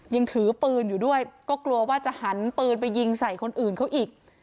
ยังถือปืนอยู่ด้วยก็กลัวว่าจะหันปืนไปยิงใส่คนอื่นเขาอีก